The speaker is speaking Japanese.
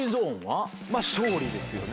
勝利ですよね。